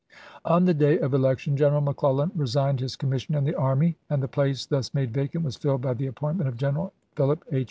On the day of election General McClellan re signed his commission in the army, and the place thus made vacant was filled by the appointment of General Philip H.